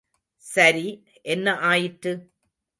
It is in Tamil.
சரி என்ன ஆயிற்று?